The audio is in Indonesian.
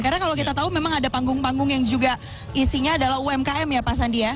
karena kalau kita tahu memang ada panggung panggung yang juga isinya adalah umkm ya pak sandi ya